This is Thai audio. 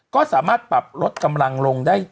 ก็สามารถปรับลดกำลังลงได้